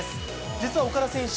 実は岡田選手